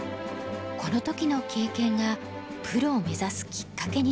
この時の経験がプロを目指すきっかけになりました。